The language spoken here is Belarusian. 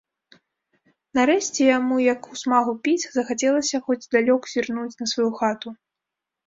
Нарэшце яму, як у смагу піць, захацелася хоць здалёк зірнуць на сваю хату.